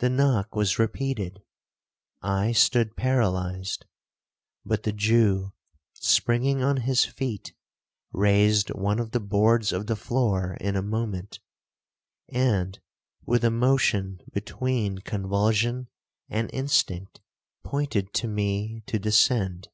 The knock was repeated,—I stood paralyzed; but the Jew, springing on his feet, raised one of the boards of the floor in a moment, and, with a motion between convulsion and instinct, pointed to me to descend.